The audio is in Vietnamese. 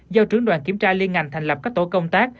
đoàn kiểm tra liên ngành thành lập các tổ công tác